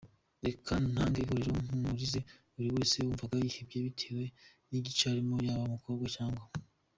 Reka ntange ihumure mpumurize buri wese wumvaga yihebye bitewe nigice arimo yaba umukobwa cg.